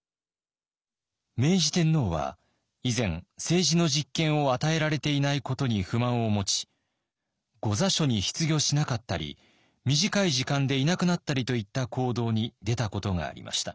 明治天皇は以前政治の実権を与えられていないことに不満を持ち御座所に出御しなかったり短い時間でいなくなったりといった行動に出たことがありました。